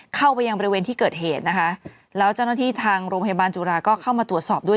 เข้าไปยังบริเวณที่เกิดเหตุนะคะแล้วเจ้าหน้าที่ทางโรงพยาบาลจุฬาก็เข้ามาตรวจสอบด้วย